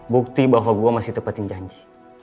bukti bahwa gue masih tepatin janji